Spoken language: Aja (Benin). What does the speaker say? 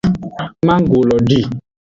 Manggo lo di.